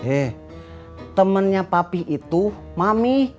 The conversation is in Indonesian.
eh temennya papi itu mami